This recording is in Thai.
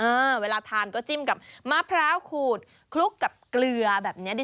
เวลาทานก็จิ้มกับมะพร้าวขูดคลุกกับเกลือแบบนี้ดี